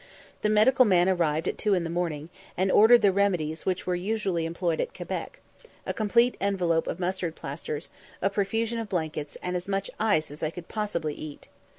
The medical man arrived at two in the morning, and ordered the remedies which were usually employed at Quebec, a complete envelope of mustard plasters, a profusion of blankets, and as much ice as I could possibly eat.